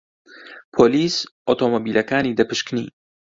پۆلیس ئۆتۆمۆبیلەکانی دەپشکنی.